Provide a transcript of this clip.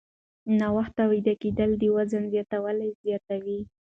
ناوخته ویده کېدل د وزن زیاتوالی زیاتوي.